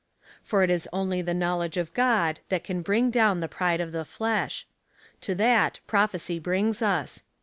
For it is only the knowledge of God that can bring down the pride of the flesh. To that, prophecy brings us.